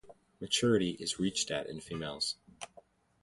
Maturity is reached at in females.